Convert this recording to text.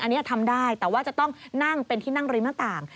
อันนี้ทำได้แต่ว่าจะต้องนั่งเป็นที่นั่งริมหน้าต่าง